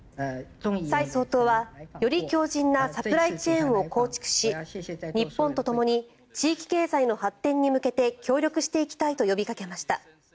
蔡総統は、より強じんなサプライチェーンを構築し日本とともに地域経済の発展に向けて協力していきたいと呼びかけました。